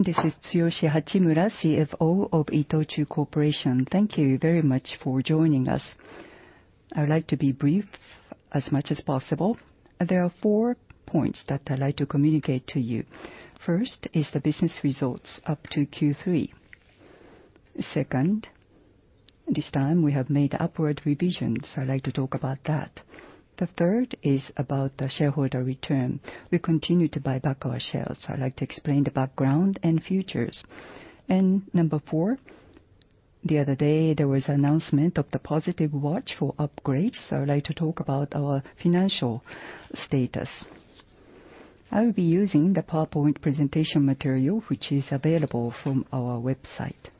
This is Tsuyoshi Hachimura, CFO of ITOCHU Corporation. Thank you very much for joining us. I would like to be brief as much as possible. There are 4 points that I'd like to communicate to you. First is the business results up to Q3. Second, this time we have made upward revisions. I'd like to talk about that. The 3rd is about the shareholder return. We continue to buy back our shares. I'd like to explain the background and futures. Number 4, the other day, there was announcement of the positive watch for upgrades. I'd like to talk about our financial status. I will be using the PowerPoint presentation material, which is available from our website.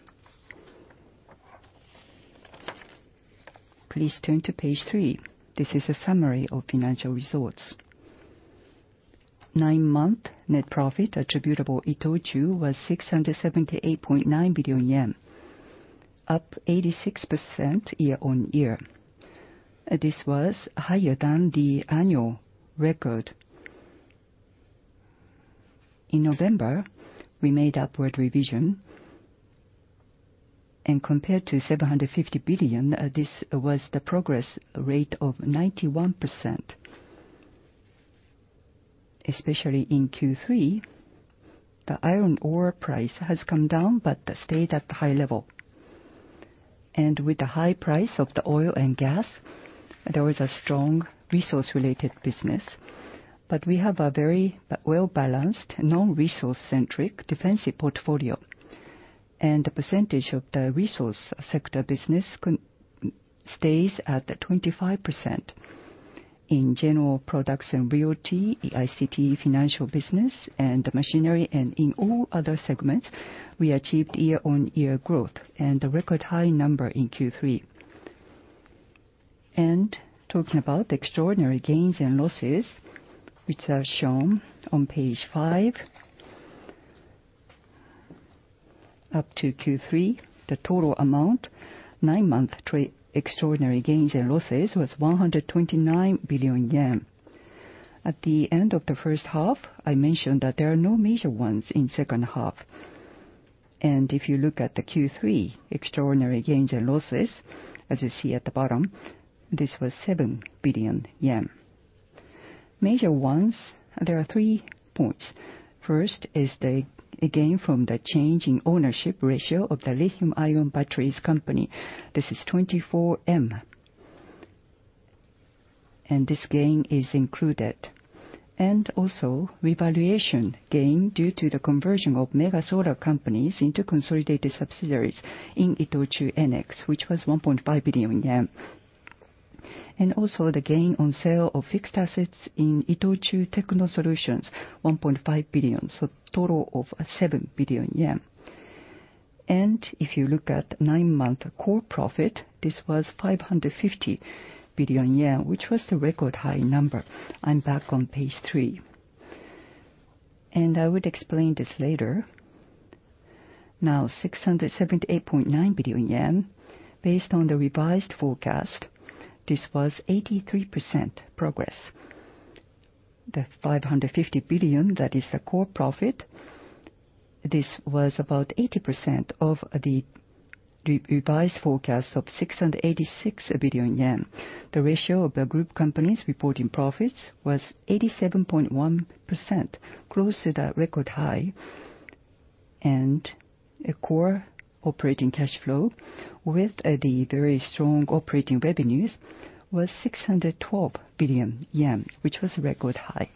Please turn to page 3. This is a summary of financial results. 9-month net profit attributable to ITOCHU was 678.9 billion yen, up 86% year-on-year. This was higher than the annual record. In November, we made upward revision, and compared to 750 billion, this was the progress rate of 91%. Especially in Q3, the iron ore price has come down, but stayed at high level. With the high price of the oil and gas, there was a strong resource-related business, but we have a very well-balanced non-resource centric defensive portfolio. The percentage of the resource sector business stays at 25%. In general products and realty, the ICT financial business, and the machinery, and in all other segments, we achieved year-on-year growth and a record high number in Q3. Talking about extraordinary gains and losses, which are shown on page five. Up to Q3, the total amount of 9-month total extraordinary gains and losses was 129 billion yen. At the end of the 1st half, I mentioned that there are no major ones in 2nd half. If you look at the Q3 extraordinary gains and losses, as you see at the bottom, this was 7 billion yen. Major ones, there are 3 points. First is the, again, from the change in ownership ratio of the lithium ion batteries company. This is 24M. This gain is included. Also revaluation gain due to the conversion of mega solar companies into consolidated subsidiaries in ITOCHU ENEX, which was 1.5 billion yen. Also the gain on sale of fixed assets in ITOCHU Techno-Solutions, 1.5 billion. Total of 7 billion yen. If you look at 9-month core profit, this was 550 billion yen, which was the record high number. I'm back on page 3. I would explain this later. Now, 678.9 billion yen, based on the revised forecast, this was 83% progress. The 550 billion, that is the core profit, this was about 80% of the revised forecast of 686 billion yen. The ratio of the group companies reporting profits was 87.1%, close to the record high. A core operating cash flow with the very strong operating revenues was 612 billion yen, which was a record high.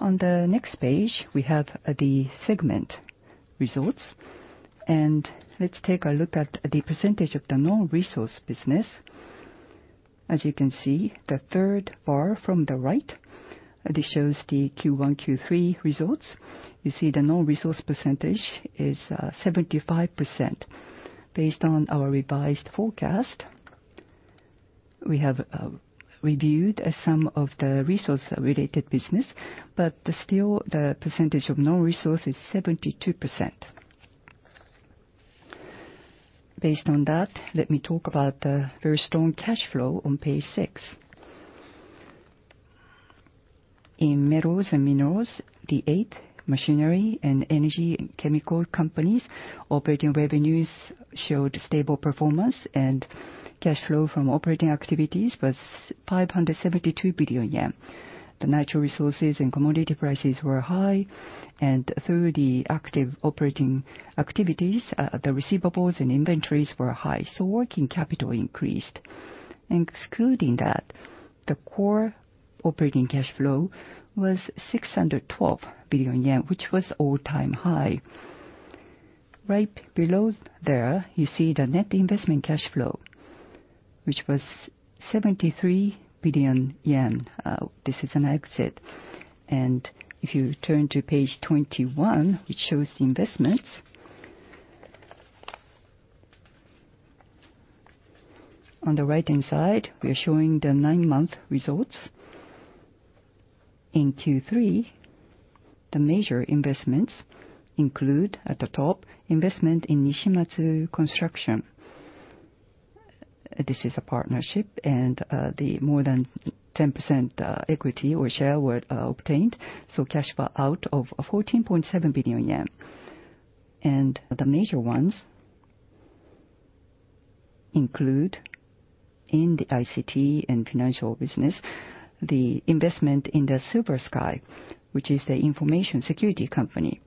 On the next page, we have the segment results. Let's take a look at the percentage of the non-resource business. As you can see, the third bar from the right, this shows the Q1, Q3 results. You see the non-resource percentage is 75%. Based on our revised forecast, we have reviewed some of the resource-related business, but still the percentage of non-resource is 72%. Based on that, let me talk about the very strong cash flow on page 6. In Metals and Minerals, the IT, machinery and energy & chemicals companies operating revenues showed stable performance, and cash flow from operating activities was 572 billion yen. The natural resources and commodity prices were high, and through the active operating activities, the receivables and inventories were high, so working capital increased. Excluding that, the core operating cash flow was 612 billion yen, which was all-time high. Right below there, you see the net investment cash flow, which was 73 billion yen. This is an exit. If you turn to page 21, it shows the investments. On the right-hand side, we are showing the 9-month results. In Q3, the major investments include, at the top, investment in Nishimatsu Construction. This is a partnership, and the more than 10% equity or share were obtained. Cash flow out of 14.7 billion yen. The major ones include in the ICT and financial business, the investment in the SilverSky, which is the information security company,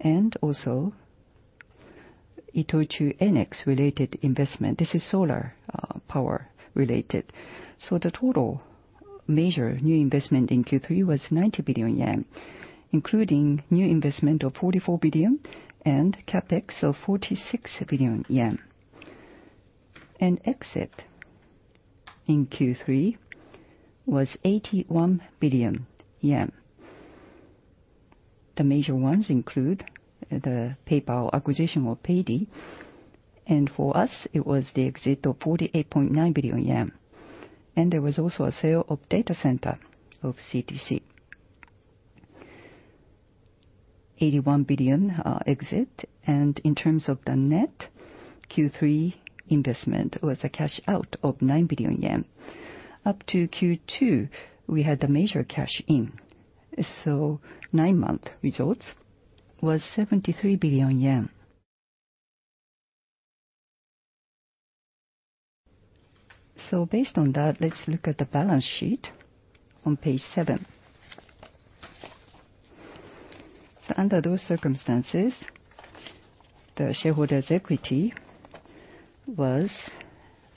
and also ITOCHU ENEX related investment. This is solar power related. The total major new investment in Q3 was 90 billion yen, including new investment of 44 billion and CapEx of 46 billion yen. Exit in Q3 was 81 billion yen. The major ones include the PayPal acquisition of Paidy, and for us it was the exit of 48.9 billion yen. There was also a sale of data center of CTC. 81 billion exit. In terms of the net, Q3 investment was a cash out of 9 billion yen. Up to Q2, we had the major cash in. Nine-month results was JPY 73 billion. Based on that, let's look at the balance sheet on page 7. Under those circumstances, the shareholders' equity was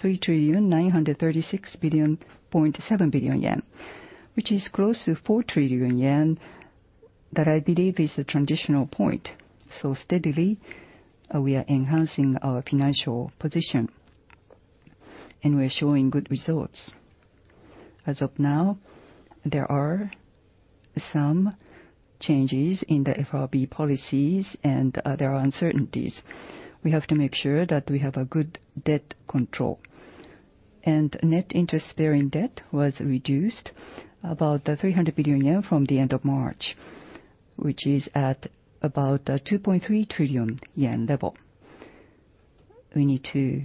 3,936.7 billion yen, which is close to 4 trillion yen. That I believe is the transitional point. Steadily, we are enhancing our financial position, and we are showing good results. As of now, there are some changes in the FRB policies and there are uncertainties. We have to make sure that we have a good debt control. Net interest-bearing debt was reduced about 300 billion yen from the end of March, which is at about a 2.3 trillion yen level. We need to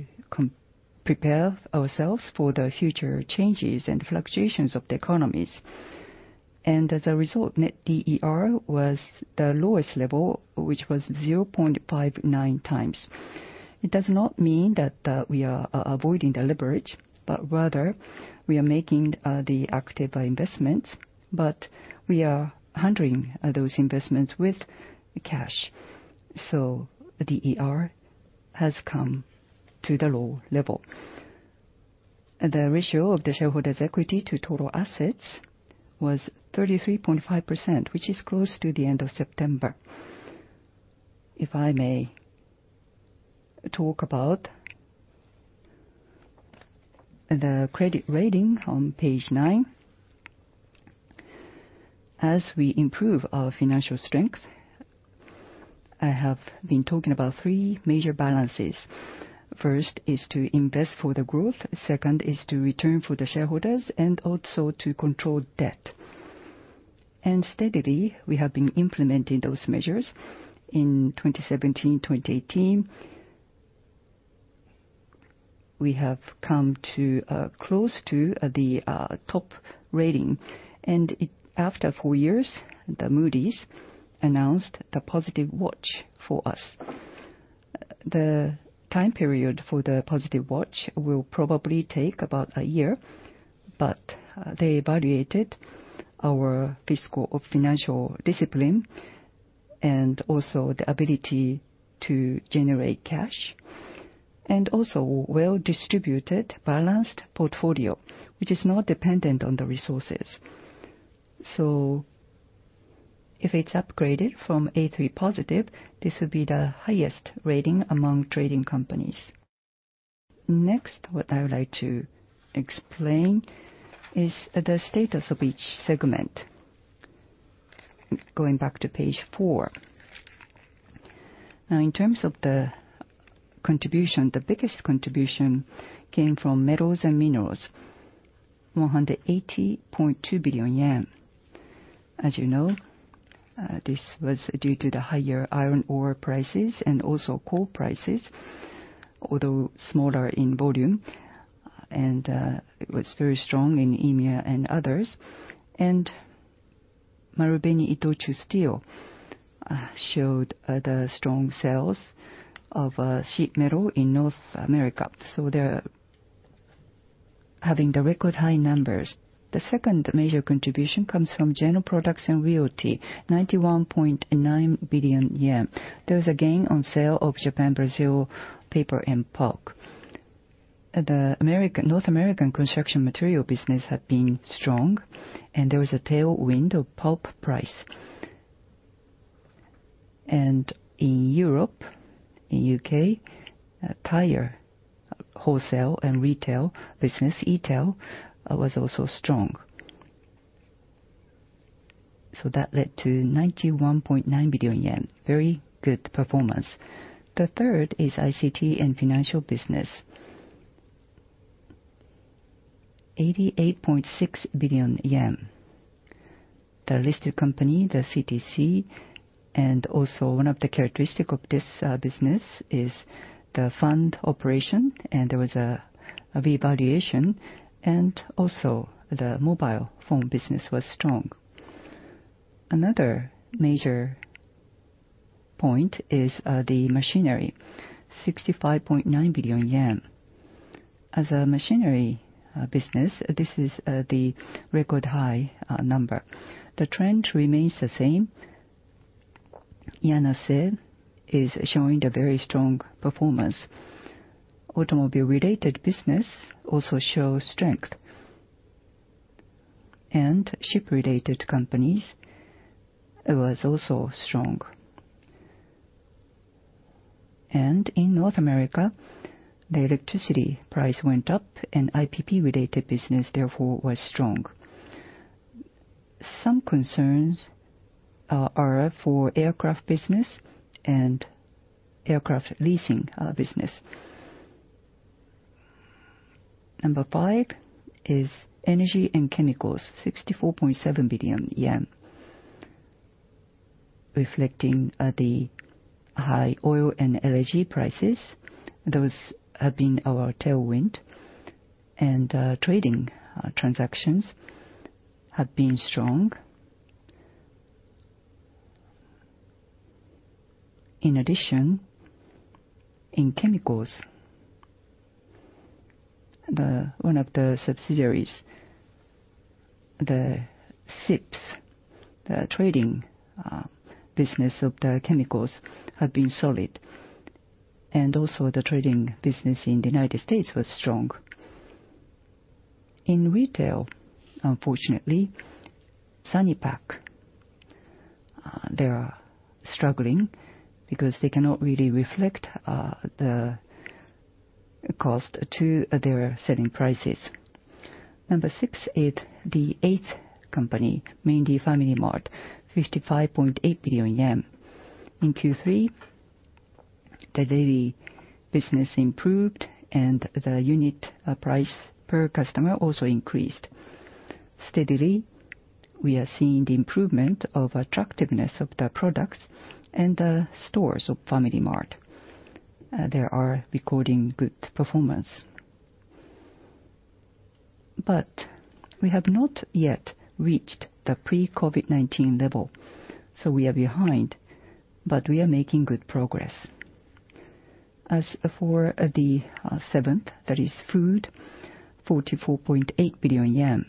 prepare ourselves for the future changes and fluctuations of the economies. As a result, net DER was the lowest level, which was 0.59x. It does not mean that we are avoiding the leverage, but rather we are making the active investments, but we are handling those investments with cash. DER has come to the low level. The ratio of the shareholders' equity to total assets was 33.5%, which is close to the end of September. If I may talk about the credit rating on page 9. As we improve our financial strength, I have been talking about 3 major balances. First is to invest for the growth, second is to return for the shareholders, and also to control debt. Steadily, we have been implementing those measures in 2017, 2018. We have come close to the top rating. After 4 years, Moody's announced the positive watch for us. The time period for the positive watch will probably take about a year, but they evaluated our fiscal or financial discipline, and also the ability to generate cash, and also well-distributed balanced portfolio, which is not dependent on the resources. If it's upgraded from A3 positive, this would be the highest rating among trading companies. Next, what I would like to explain is the status of each segment. Going back to page 4. Now, in terms of the contribution, the biggest contribution came from metals and minerals, 180.2 billion yen. As you know, this was due to the higher iron ore prices and also coal prices, although smaller in volume. It was very strong in EMEA and others. Marubeni-Itochu Steel showed the strong sales of sheet metal in North America, so they're having the record high numbers. The second major contribution comes from general products and realty, 91.9 billion yen. There was a gain on sale of Japan Brazil Paper and Pulp. The American, North American construction material business had been strong, and there was a tailwind of pulp price. In Europe, in U.K., tire wholesale and retail business, ETEL, was also strong. That led to 91.9 billion yen. Very good performance. The third is ICT and financial business, 88.6 billion yen. The listed company, the CTC, and also one of the characteristic of this business is the fund operation, and there was a revaluation, and also the mobile phone business was strong. Another major point is the machinery, 65.9 billion yen. As a machinery business, this is the record-high number. The trend remains the same. Yanase is showing a very strong performance. Automobile-related business also shows strength. Ship-related companies was also strong. In North America, the electricity price went up, and IPP-related business therefore was strong. Some concerns are for aircraft business and aircraft leasing business. Number 5 is energy and chemicals, 64.7 billion yen. Reflecting the high oil and LNG prices, those have been our tailwind, and trading transactions have been strong. In addition, in chemicals, one of the subsidiaries, the CIPS, the trading business of the chemicals have been solid. The trading business in the United States was strong. In retail, unfortunately, Sanipak, they are struggling because they cannot really reflect the cost to their selling prices. Number six is the 8th company, mainly FamilyMart, JPY 55.8 billion. In Q3, the daily business improved and the unit price per customer also increased. Steadily, we are seeing the improvement of attractiveness of the products and the stores of FamilyMart. They are recording good performance. We have not yet reached the pre-COVID-19 level, so we are behind, but we are making good progress. As for the 7th, that is food, 44.8 billion yen.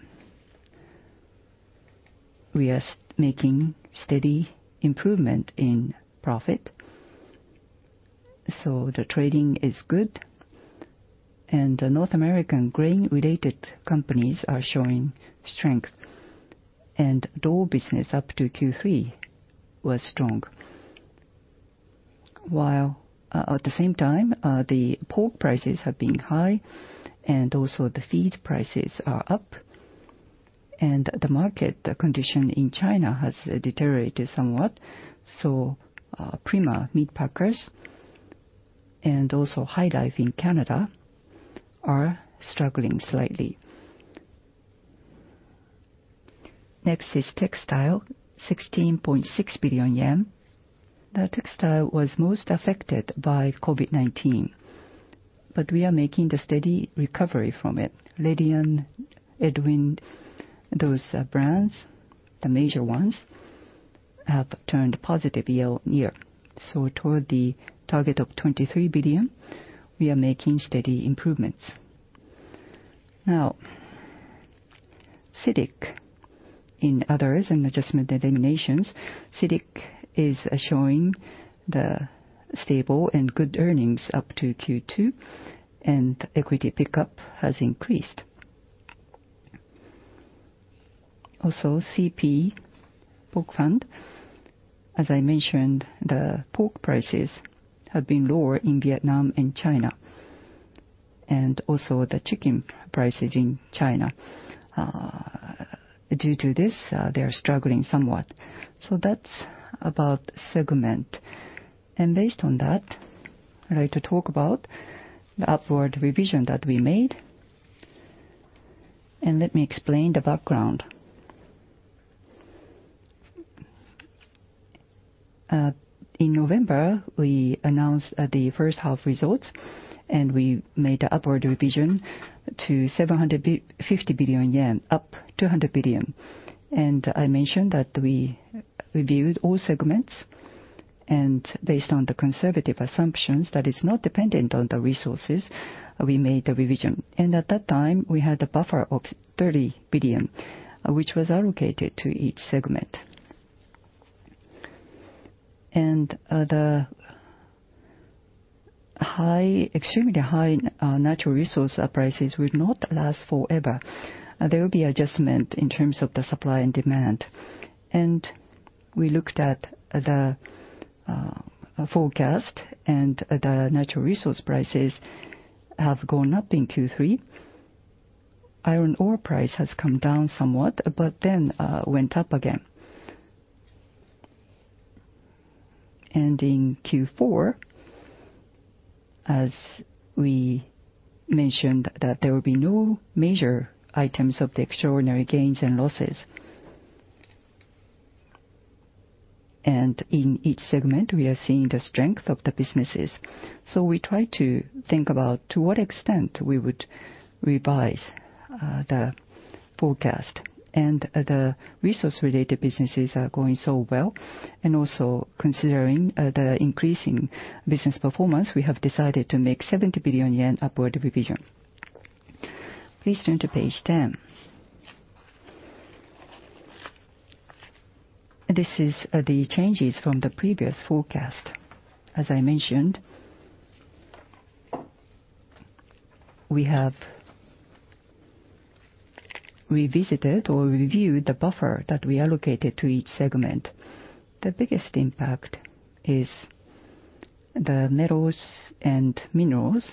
We are making steady improvement in profit. The trading is good. North American grain-related companies are showing strength. Dole business up to Q3 was strong. While at the same time, the pork prices have been high, and also the feed prices are up. The market condition in China has deteriorated somewhat. Prima Meat Packers and also HyLife in Canada are struggling slightly. Next is Textile, 16.6 billion yen. The Textile was most affected by COVID-19, but we are making the steady recovery from it. Regal, EDWIN, those brands, the major ones, have turned positive year-on-year. Toward the target of 23 billion, we are making steady improvements. Now, CITIC and others and adjustments, CITIC is showing the stable and good earnings up to Q2, and equity pickup has increased. Also, CP, pork and feed, as I mentioned, the pork prices have been lower in Vietnam and China, and also the chicken prices in China. Due to this, they are struggling somewhat. That's about segment. Based on that, I'd like to talk about the upward revision that we made. Let me explain the background. In November, we announced the first half results, and we made an upward revision to 750 billion yen, up 200 billion. I mentioned that we reviewed all segments, and based on the conservative assumptions that is not dependent on the resources, we made a revision. At that time, we had a buffer of 30 billion, which was allocated to each segment. The high, extremely high, natural resource prices will not last forever. There will be adjustment in terms of the supply and demand. We looked at the forecast, and the natural resource prices have gone up in Q3. Iron ore price has come down somewhat, but then went up again. In Q4, as we mentioned that there will be no major items of the extraordinary gains and losses. In each segment, we are seeing the strength of the businesses. We try to think about to what extent we would revise the forecast. The resource-related businesses are going so well, and also considering the increasing business performance, we have decided to make 70 billion yen upward revision. Please turn to page 10. This is the changes from the previous forecast. As I mentioned, we have revisited or reviewed the buffer that we allocated to each segment. The biggest impact is the Metals and Minerals,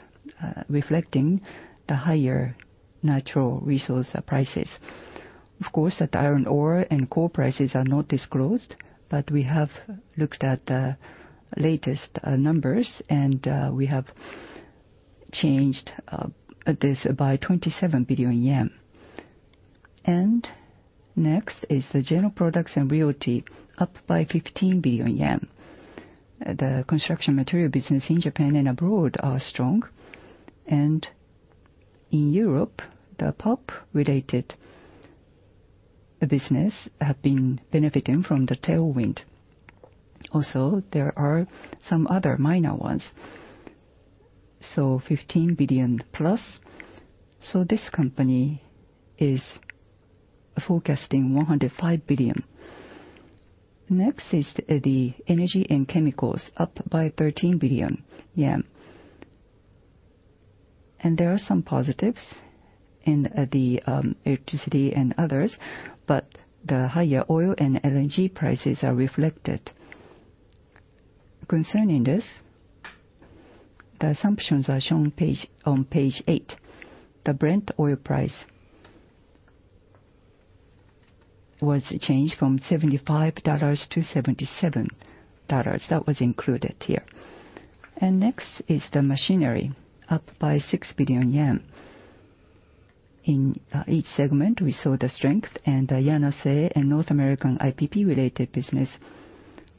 reflecting the higher natural resource prices. Of course, the iron ore and coal prices are not disclosed, but we have looked at the latest numbers, and we have changed this by 27 billion yen. Next is the General Products and Realty, up by 15 billion yen. The construction material business in Japan and abroad are strong. In Europe, the pulp-related business have been benefiting from the tailwind. There are some other minor ones. JPY 15 billion plus. This company is forecasting 105 billion. Next is the energy and chemicals, up by 13 billion yen. There are some positives in the electricity and others, but the higher oil and LNG prices are reflected. Concerning this, the assumptions are shown on page 8. The Brent oil price was changed from $75 to $77. That was included here. Next is the machinery, up by 6 billion yen. In each segment, we saw the strength, and Yanase and North American IPP-related business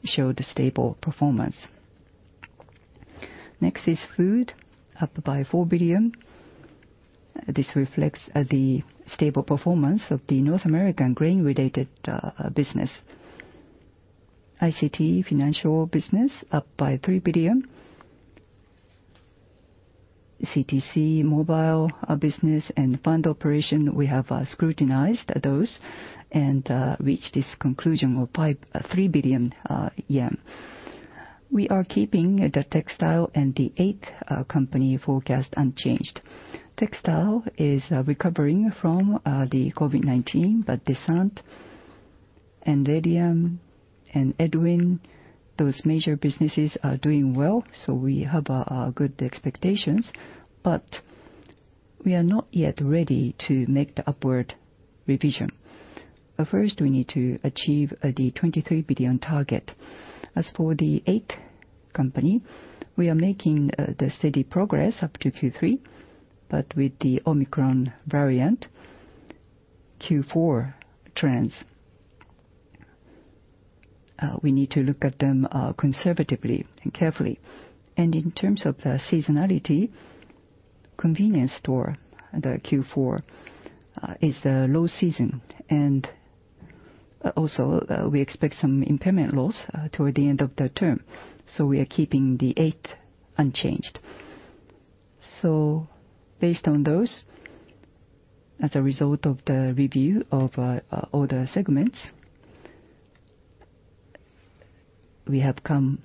showed a stable performance. Next is food, up by 4 billion. This reflects the stable performance of the North American grain-related business. ICT financial business, up by 3 billion. CTC mobile business and fund operation, we have scrutinized those and reached this conclusion of 3 billion yen. We are keeping the Textile and the 8th Company forecast unchanged. Textile is recovering from the COVID-19, but Descente and and Edwin, those major businesses are doing well, so we have good expectations. We are not yet ready to make the upward revision. First, we need to achieve the 23 billion target. As for the 8th company, we are making the steady progress up to Q3, but with the Omicron variant, Q4 trends, we need to look at them conservatively and carefully. In terms of the seasonality, convenience store, the Q4 is the low season. We expect some impairment loss toward the end of the term. We are keeping the A3 unchanged. Based on those, as a result of the review of all the segments, we have come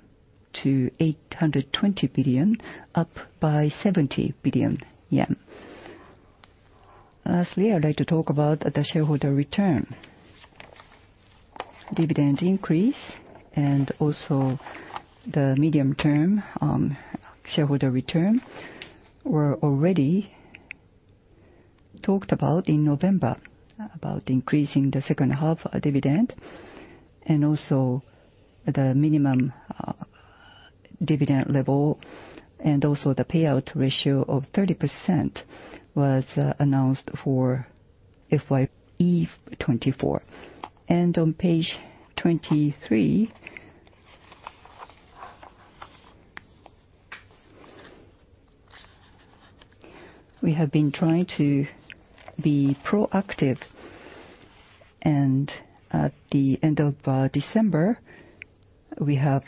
to 800 billion, up by 70 billion yen. Lastly, I'd like to talk about the shareholder return. Dividend increase and also the medium-term shareholder return were already talked about in November, about increasing the 2nd half dividend and also the minimum dividend level, and also the payout ratio of 30% was announced for FYE 2024. On page 23, we have been trying to be proactive. At the end of December, we have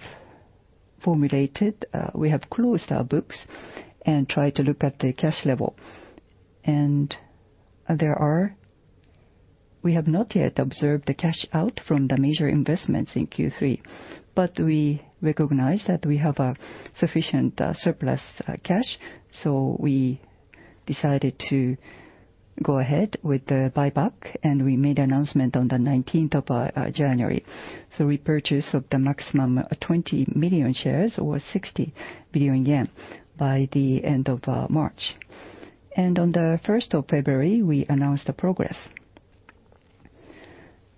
closed our books and tried to look at the cash level. We have not yet observed the cash out from the major investments in Q3, but we recognize that we have a sufficient surplus cash, so we decided to go ahead with the buyback, and we made announcement on the 19th of January. Repurchase of the maximum 20 million shares or 60 billion yen by the end of March. On the 1st of February, we announced the progress.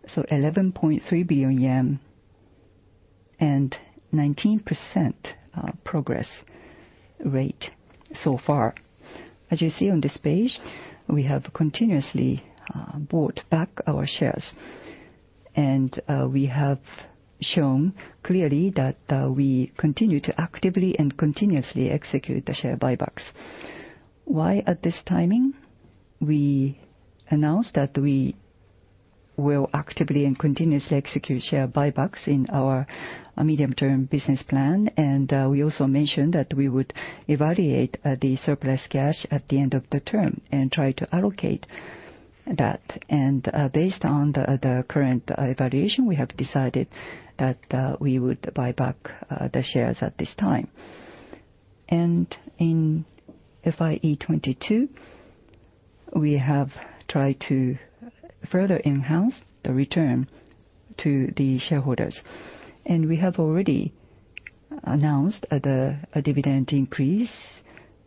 JPY 11.3 billion and 19% progress rate so far. As you see on this page, we have continuously bought back our shares. We have shown clearly that we continue to actively and continuously execute the share buybacks. Why at this timing? We announced that we will actively and continuously execute share buybacks in our medium-term business plan, and we also mentioned that we would evaluate the surplus cash at the end of the term and try to allocate that. Based on the current evaluation, we have decided that we would buy back the shares at this time. In FY 2022, we have tried to further enhance the return to the shareholders. We have already announced a dividend increase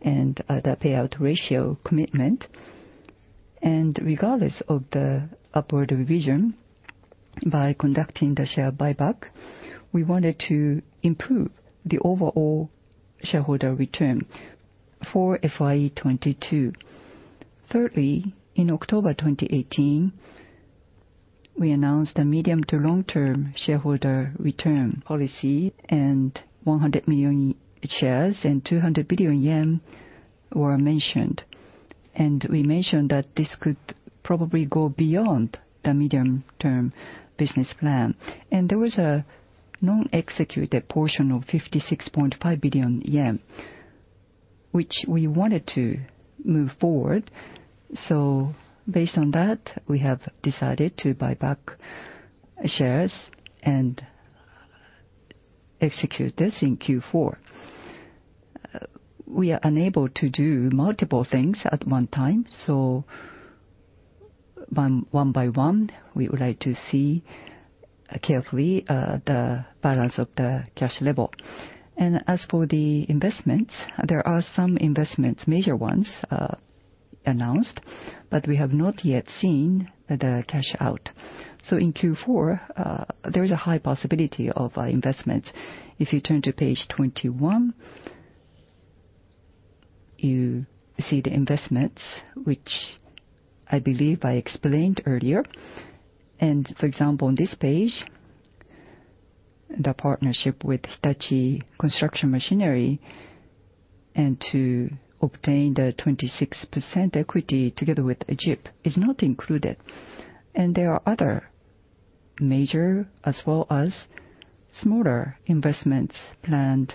and the payout ratio commitment. Regardless of the upward revision, by conducting the share buyback, we wanted to improve the overall shareholder return for FY 2022. Thirdly, in October 2018, we announced a medium to long-term shareholder return policy, and 100 million shares and 200 billion yen were mentioned. We mentioned that this could probably go beyond the medium-term business plan. There was a non-executed portion of 56.5 billion yen, which we wanted to move forward. Based on that, we have decided to buy back shares and execute this in Q4. We are unable to do multiple things at one time, so one by one, we would like to see carefully the balance of the cash level. As for the investments, there are some investments, major ones, announced, but we have not yet seen the cash out. In Q4, there is a high possibility of investments. If you turn to page 21, you see the investments, which I believe I explained earlier. For example, on this page, the partnership with Hitachi Construction Machinery and to obtain the 26% equity together with JIP is not included. There are other major as well as smaller investments planned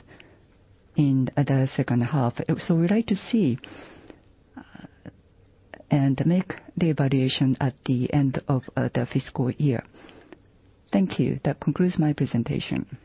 in the 2nd half. We would like to see and make the evaluation at the end of the fiscal year. Thank you. That concludes my presentation.